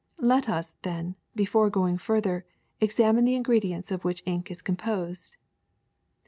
Let us, then, before going further, examine the ingredients of which ink is composed.